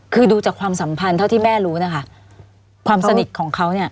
คือดูจากความสัมพันธ์เท่าที่แม่รู้นะคะความสนิทของเขาเนี่ย